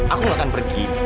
aku gak akan pergi